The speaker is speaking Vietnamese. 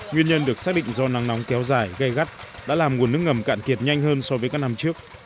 nguyên nhân được xác định do nắng nóng kéo dài gây gắt đã làm nguồn nước ngầm cạn kiệt nhanh hơn so với các năm trước